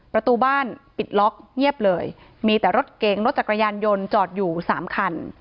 ประตูบ้านปิดล็อกเงียบเลยมีแต่รถเก๋งรถจักรยานยนต์จอดอยู่สามคัน